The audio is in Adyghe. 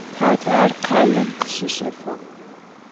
Tate ar khalem khışişefığ.